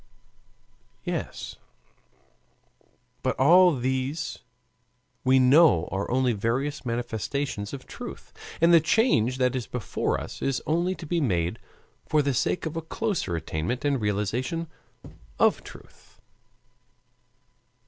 Yes, but all these we know are only various manifestations of truth, and the change that is before us is only to be made for the sake of a closer attainment and realization of truth.